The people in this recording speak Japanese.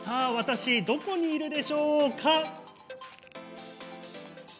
私、どこにいるでしょうか？